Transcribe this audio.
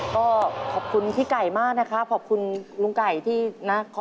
ก็ขอบคุณพี่ไก่มากนะครับขอบคุณลุงไก่ที่นะ